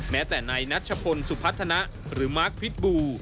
แม้แต่นายนัชพลสุพัฒนะหรือมาร์คพิษบู